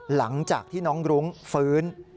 หลังจากที่น้องรุ้งฟื้น